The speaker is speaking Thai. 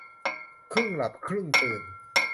ครึ่งหลับครึ่งตื่น